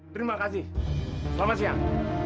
terima kasih selamat siang